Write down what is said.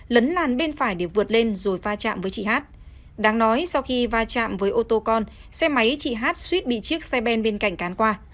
lấn làn bên phải để vượt lên rồi va chạm với chị hát đáng nói sau khi va chạm với ô tô con xe máy chị hát suýt bị chiếc xe ben bên cạnh cán qua